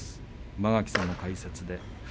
間垣さんの解説です。